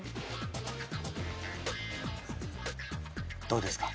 どうですか？